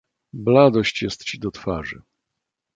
"Bladość jest ci do twarzy."